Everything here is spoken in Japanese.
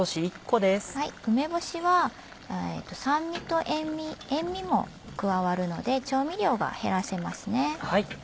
梅干しは酸味と塩味塩味も加わるので調味料が減らせますね。